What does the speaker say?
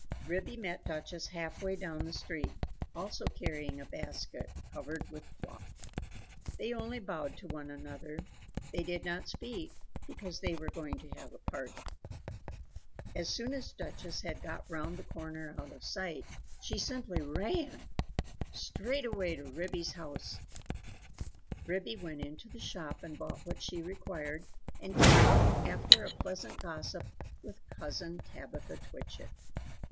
Ribby met Duchess half way own the street, also carrying a basket, covered with a cloth. They only bowed to one another; they did not speak, because they were going to have a party. As soon as Duchess had got round the corner out of sight she simply ran! Straight away to Ribby's house! Ribby went into the shop and bought what she required, and came out, after a pleasant gossip with Cousin Tabitha Twitchit.